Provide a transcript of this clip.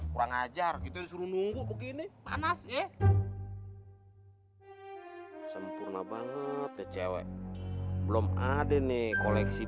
kurang ajar kita disuruh nunggu begini panas ya sempurna banget cewek belum ada nih koleksi